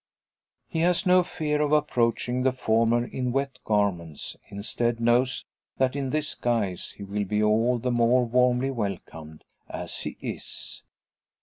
He has no fear of approaching the former in wet garments; instead knows that in this guise he will be all the more warmly welcomed as he is!